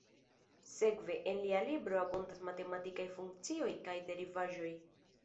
Sekve, en lia libro abundas matematikaj funkcioj kaj derivaĵoj.